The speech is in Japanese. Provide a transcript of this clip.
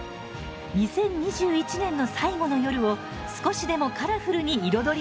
２０２１年の最後の夜を少しでもカラフルに彩りたい。